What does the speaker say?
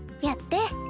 やって。